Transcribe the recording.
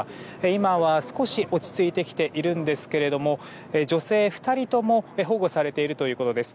今は、少し落ち着いてきているんですけども女性２人とも保護されているということです。